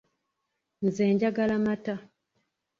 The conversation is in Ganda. Nze njagala mata.